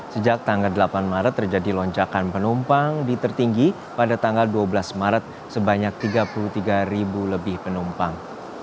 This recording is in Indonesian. sejak tanggal delapan maret terjadi lonjakan penumpang di tertinggi pada tanggal dua belas maret sebanyak tiga puluh tiga ribu lebih penumpang